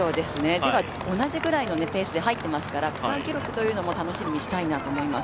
では同じくらいのペースで入ってますから区間記録も楽しみにしたいと思います。